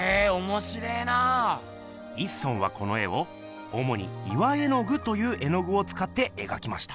一村はこの絵をおもに「岩絵具」という絵のぐをつかってえがきました。